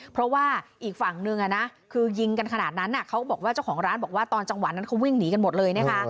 เพราะว่าอีกฝั่งนึงคือยิงกันขนาดนั้นเขาบอกว่าเจ้าของร้านบอกว่าตอนจังหวะนั้นเขาวิ่งหนีกันหมดเลยนะคะ